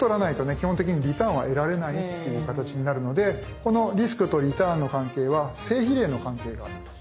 基本的にリターンは得られないっていう形になるのでこのリスクとリターンの関係は正比例の関係があるという形になっています。